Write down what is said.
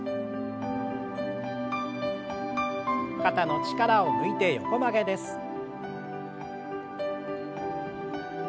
肩の力を抜いて横曲げです。